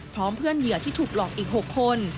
พร้อมเพื่อนเหยื่อที่ถูกหลอกอีก๖คน